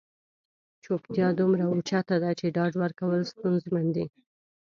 چوپتیا دومره اوچته ده چې ډاډ ورکول ستونزمن دي.